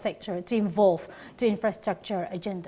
untuk memasuki agenda infrastruktur